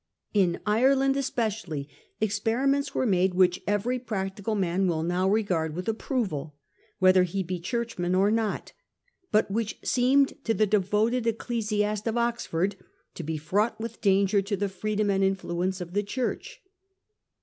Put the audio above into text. In Ireland espe cially experiments were made which every practical man will now regard with approval, whether he be churchman or not, but which seemed to the devoted ecclesiast of Oxford to be fraught with danger to the freedom and influence of the Church.